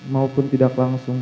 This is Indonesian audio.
maupun tidak langsung